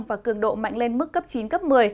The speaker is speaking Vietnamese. và cường độ mạnh lên mức cấp chín cấp một mươi